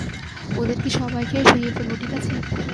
ওদেরকে সবাইকে সারিয়ে ফেলবো, ঠিক আছে?